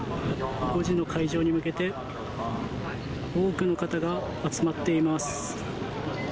５時の開場に向けて、多くの方が集まっています。